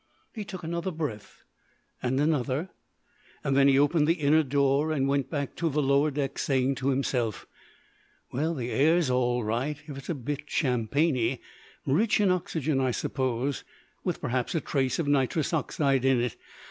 He took another breath, and another, then he opened the inner door and went back to the lower deck, saying to himself: "Well, the air's all right if it is a bit champagney; rich in oxygen, I suppose, with perhaps a trace of nitrous oxide in it.